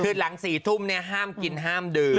คือหลัง๔ทุ่มห้ามกินห้ามดื่ม